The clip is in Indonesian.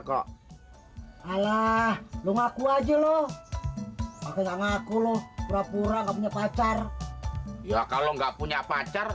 kok alah lu ngaku aja loh aku ngaku lu pura pura nggak punya pacar ya kalau nggak punya pacar